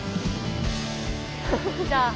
じゃあ。